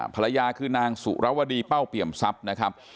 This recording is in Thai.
ภรรยาคือนางสุรวดีเป้าเปี่ยมทรัพย์นะครับ